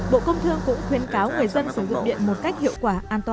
bộ công thương cũng khuyên cáo người dân sử dụng điện một cách hiệu quả an toàn và tốt hơn